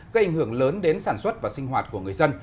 gây ảnh hưởng lớn đến sản xuất và sinh hoạt của người dân